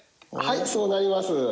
はいそうなります。